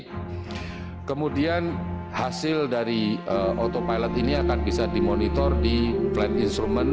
dan kemudian kita bisa mengatur kecepatan dan ketinggian dan kemudian hasil dari autopilot ini akan bisa dimonitor di flight instrument